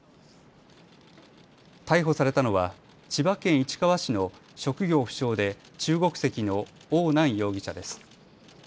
逮捕されたのは千葉県市川市の職業不詳で中国籍の汪楠容疑者です。